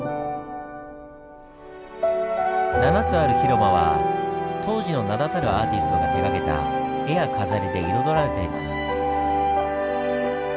７つある広間は当時の名だたるアーティストが手がけた絵や飾りで彩られています。